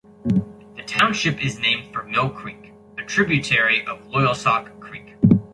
The township is named for Mill Creek, a tributary of Loyalsock Creek.